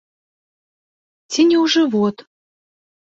Ці не ў жывот?